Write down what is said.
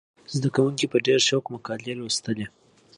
زده کوونکي په ډېر شوق مقالې لوستلې.